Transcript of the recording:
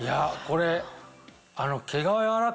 これ。